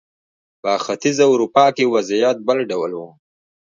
په ختیځه اروپا کې وضعیت بل ډول و.